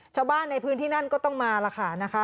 ชาวบ้านในพื้นที่นั่นก็ต้องมาล่ะค่ะนะคะ